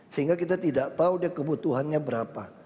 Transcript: sehingga kita tidak tahu dia kebutuhannya berapa